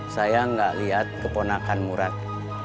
saya nggak lihat keponakan murad